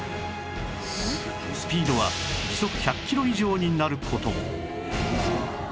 スピードは時速１００キロ以上になる事も